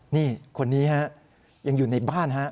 นี่คนนี้ฮะยังอยู่ในบ้านฮะ